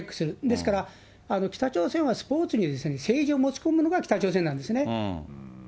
ですから、北朝鮮はスポーツに政治を持ち込むのが北朝鮮なんですね。